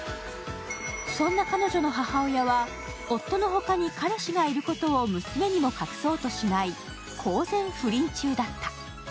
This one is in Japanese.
そんな彼女の母親は夫の他に彼氏がいることを娘にも隠そうとしない公然不倫中だった。